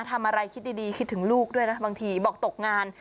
ทำอะไรคิดดีคิดถึงลูกด้วยนะบางทีบอกตกงาน